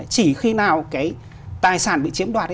chỉ khi nào cái tài sản bị chiếm đoạt